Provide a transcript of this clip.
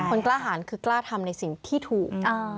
กล้าหารคือกล้าทำในสิ่งที่ถูก